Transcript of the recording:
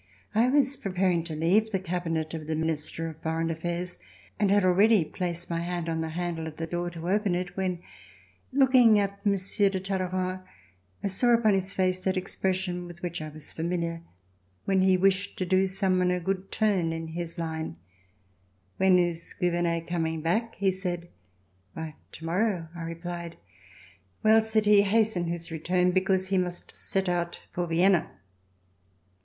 I was preparing to leave the cabinet of the Minister of Foreign Affairs and had already placed my hand on the handle of the door to open it, when looking at Monsieur de Talleyrand, I saw upon his face that expression with which I was familiar when he wished to do some one a good turn in his line. [ 394 ] THE FIRST RESTORATION "When is Gouvernct coming l)ackr" he said. "Why, tomorrow," I rej)hed. "Well!" said he, "hasten his return, because he must set out for Vienna."